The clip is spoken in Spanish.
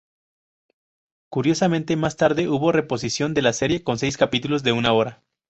Curiosamente, más tarde hubo reposición de la serie con seis capítulos de una hora.